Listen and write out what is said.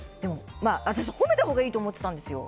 私、褒めたほうがいいと思ってたんですよ。